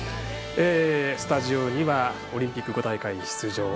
スタジオにはオリンピック５大会出場